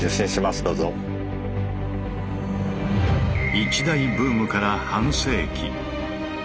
一大ブームから半世紀。